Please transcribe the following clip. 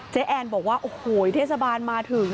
แอนบอกว่าโอ้โหเทศบาลมาถึง